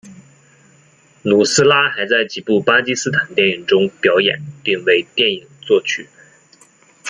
努斯拉还在几部巴基斯坦电影中表演并为电影作曲。